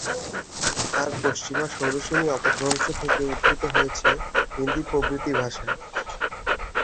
আর পশ্চিমা শৌরসেনী অপভ্রংশ থেকে উদ্ভূত হয়েছে হিন্দি প্রভৃতি ভাষা।